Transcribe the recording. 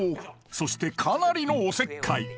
そしてかなりのおせっかい